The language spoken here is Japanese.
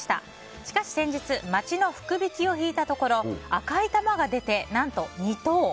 しかし先日街の福引きを引いたところ赤い玉が出て何と２等。